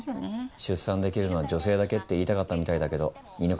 出産できるのは女性だけって言いたかったみたいだけど犬飼